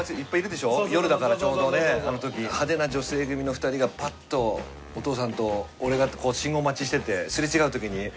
派手な女性組の２人がぱっとお父さんと俺が信号待ちしてて擦れ違うときに。